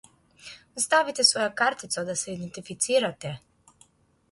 Vstavite svojo kartico, da se identificirate.